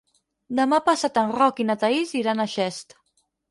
Demà passat en Roc i na Thaís iran a Xest.